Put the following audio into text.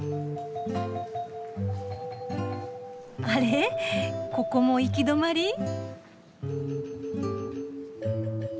あれここも行き止まり？